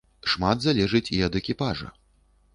Шмат залежыць і ад экіпажа.